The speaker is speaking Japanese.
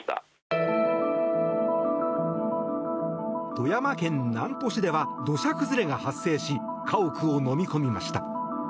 富山県南砺市では土砂崩れが発生し家屋をのみ込みました。